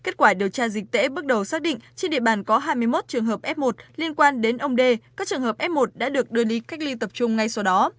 cha dịch tễ bước đầu xác định trên địa bàn có hai mươi một trường hợp f một liên quan đến ông d các trường hợp f một đã được đưa ly cách ly tập trung ngay sau đó